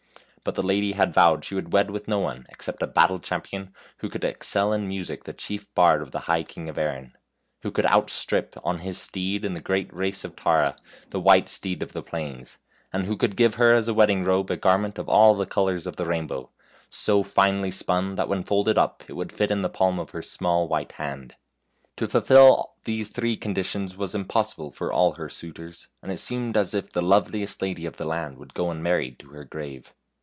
But the lady had vowed she would wed with no one except a battle champion who could excel in music the chief bard of the High King of Erin ; who could out strip on his steed in the great race of Tara the white steed of the plains; and who could give her as a wedding robe a garment of all the colors of the rainbow, so finely spun that when folded up it would fit in the palm of her small white hand. To fulfill these three conditions was im possible for all her suitors, and it seemed as if THE HUNTSMAN'S SON 85 the loveliest lady of the land would go unmar ried to her grave.